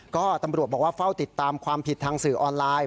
ก็ตำรวจบอกว่าเฝ้าติดตามความผิดทางสื่อออนไลน์